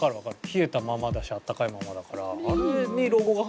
冷えたままだし温かいままだから。